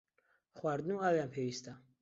خواردن و ئاویان پێویستە.